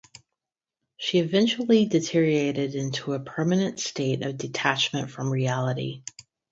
She eventually deteriorated into a permanent state of detachment from reality.